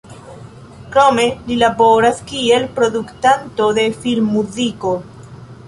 Krome li laboras kiel produktanto de filmmuziko.